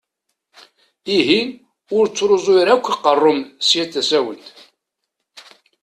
Ihi ur ttṛuẓu ara akk aqeṛṛu-m sya d tasawent!